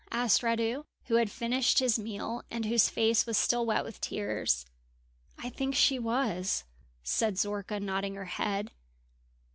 asked Radu, who had finished his meal, and whose face was still wet with tears. "I think she was," said Zorka, nodding her head.